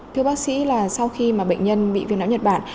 thưa bác sĩ sau khi bệnh nhân bị viêm não nhật bản